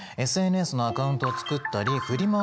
ＳＮＳのアカウントを作ったりフリマ